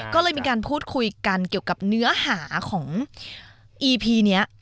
ก็เลยมีการพูดคุยกันเกี่ยวกับเนื้อหาของอีพีนี้